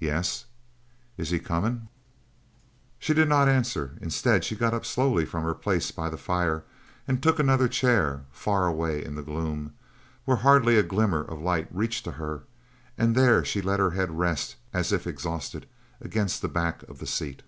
"Yes?" "Is he comin'?" She did not answer. Instead, she got up slowly from her place by the fire and took another chair, far away in the gloom, where hardly a glimmer of light reached to her and there she let her head rest, as if exhausted, against the back of the seat.